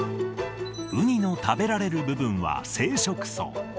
ウニの食べられる部分は生殖巣。